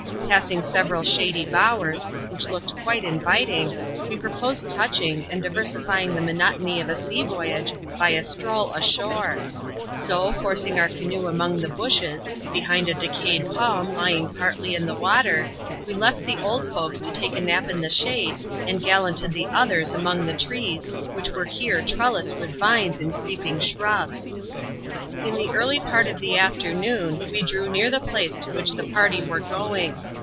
Passing several shady bowers, which looked quite inviting, we proposed touching, and diversifying the monotony of a sea voyage by a stroll ashore. So, forcing our canoe among the bushes, behind a decayed palm, l3dng partly in the water, we left the old folks to take a nap in the shade, and gallanted the others among the trees, which were here trellised with vines and creeping shrubs. In the early part of the afternoon, we drew near the place to which the party were going.